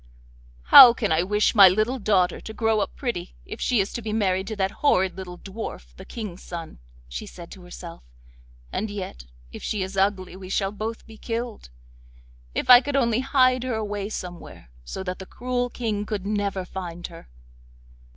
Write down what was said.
'How can I wish my little daughter to grow up pretty if she is to be married to that horrid little dwarf, the King's son,' she said to herself, 'and yet, if she is ugly we shall both be killed. If I could only hide her away somewhere, so that the cruel King could never find her.